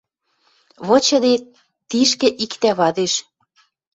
Вычыде, тишкӹ иктӓ вадеш